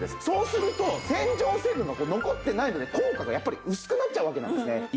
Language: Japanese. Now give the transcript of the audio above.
そうすると洗浄成分が残ってないので効果がやっぱり薄くなっちゃうわけなんですね。